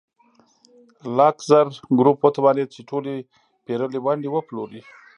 لاکزر ګروپ وتوانېد چې ټولې پېرلې ونډې وپلوري.